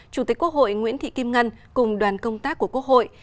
chủ tịch quốc hội nguyễn thị kim ngân cùng đoàn công tác của quốc hội